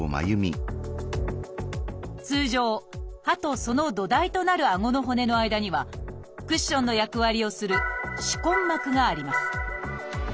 通常歯とその土台となるあごの骨の間にはクッションの役割をする「歯根膜」があります。